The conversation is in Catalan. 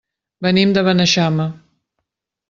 Venim de Beneixama.